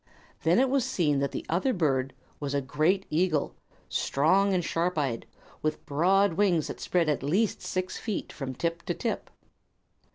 Then it was seen that the other bird was a great eagle, strong and sharp eyed, and with broad wings that spread at least six feet from tip to tip.